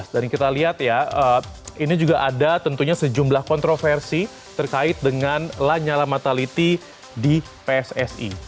dan kita lihat ya ini juga ada tentunya sejumlah kontroversi terkait dengan lanyala mataliti di pssi